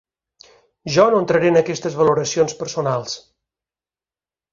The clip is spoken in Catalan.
Jo no entraré en aquestes valoracions personals.